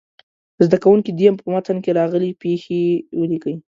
زده کوونکي دې په متن کې راغلې پيښې ولیکي.